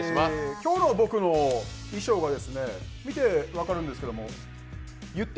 今日の僕の衣装が見てわかるんですけれどもゆってぃ